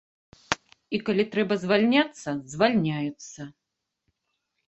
І калі трэба звальняцца, звальняюцца.